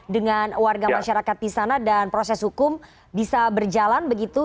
dengan warga masyarakat di sana dan proses hukum bisa berjalan begitu